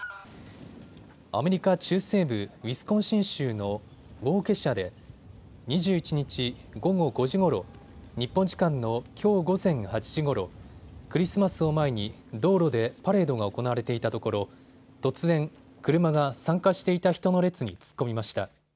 アメリカ中西部ウィスコンシン州のウォーケシャで２１日午後５時ごろ、日本時間のきょう午前８時ごろ、クリスマスを前に道路でパレードが行われていたところ突然、車が参加していた人の列に突っ込みました。